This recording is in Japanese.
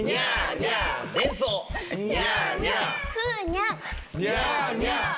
ニャーニャー。